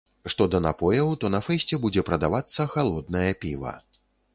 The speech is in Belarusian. Што да напояў, то на фэсце будзе прадавацца халоднае піва.